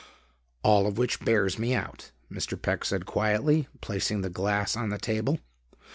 "All of which bears me out," Mr. Peck said quietly, placing the glass on the table.